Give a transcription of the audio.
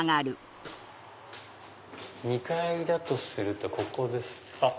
２階だとするとここです。